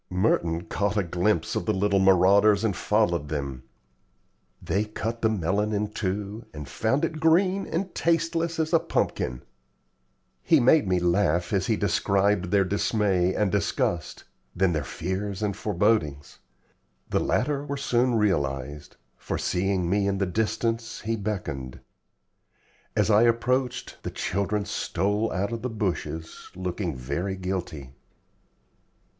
Merton caught a glimpse of the little marauders, and followed them. They cut the melon in two, and found it green and tasteless as a pumpkin. He made me laugh as he described their dismay and disgust, then their fears and forebodings. The latter were soon realized; for seeing me in the distance, he beckoned. As I approached, the children stole out of the bushes, looking very guilty.